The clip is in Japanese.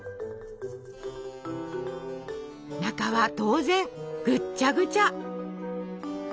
中は当然ぐっちゃぐちゃ！